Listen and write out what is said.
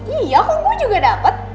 iya kok gue juga dapet